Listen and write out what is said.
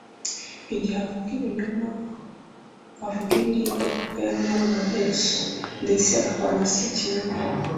Igihe avuga ibinyoma, avuga ibiri ibye, kuko yamye ari umubeshyi, ndetse akaba na Sekinyoma."